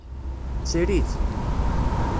Tter-it.